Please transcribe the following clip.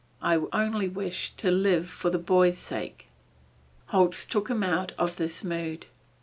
I only wish to live for the boy's sake." Holz took him out of this mood.